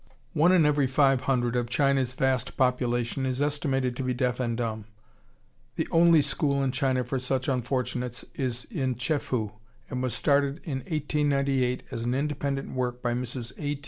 ] One in every five hundred of China's vast population is estimated to be deaf and dumb. The only school in China for such unfortunates is in Chefoo and was started in 1898 as an independent work by Mrs. A.